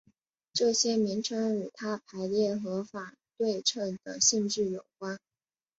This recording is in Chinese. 这些名称与它排列和反对称的性质有关。